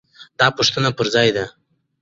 دا پوښتنې پر ځای دي.